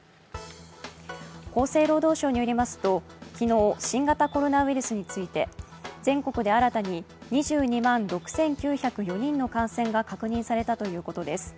厚生労働省によりますと昨日、新型コロナウイルスについて全国で新たに２２万６９０４人の感染が確認されたということです。